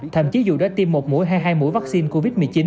thậm chí dù đã tiêm một mũi hay hai mũi vaccine covid một mươi chín